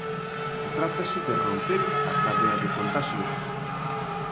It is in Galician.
Trátase de romper a cadea de contaxios.